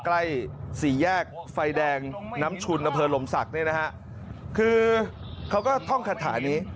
ใกล้สี่แยกไฟแดงน้ำชุนอำเภอลมศักดิ์เนี่ยนะฮะคือเขาก็ท่องคาถานี้